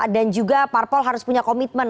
dan juga parpol harus punya komitmen